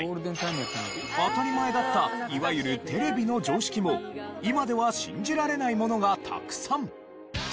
当たり前だったいわゆるテレビの常識も今では信じられないものがたくさん。